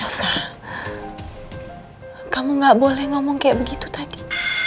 kamu gak boleh ngomong kayak begitu tadi